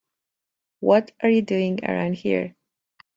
What are you doing around here?